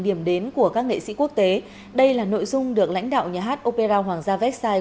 điểm đến của các nghệ sĩ quốc tế đây là nội dung được lãnh đạo nhà hát opera hoàng gia vecsai